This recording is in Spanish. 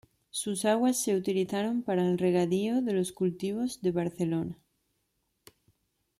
Sus aguas se utilizaron para el regadío de los cultivos de Barcelona.